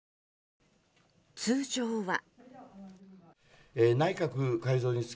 通常は。